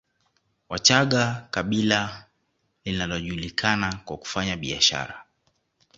Wachaga kabila linalojulikana kwa kufanya biashara